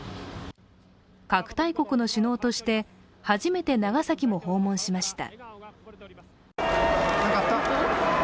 核大国の首脳として、初めて長崎も訪問しました。